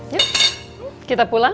yuk kita pulang